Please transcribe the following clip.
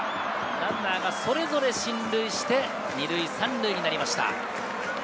ランナーがそれぞれ進塁して、２塁３塁になりました。